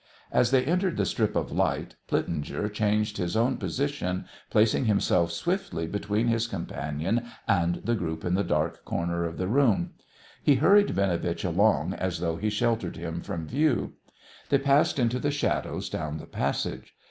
As they entered the strip of light, Plitzinger changed his own position, placing himself swiftly between his companion and the group in the dark corner of the room. He hurried Binovitch along as though he sheltered him from view. They passed into the shadows down the passage.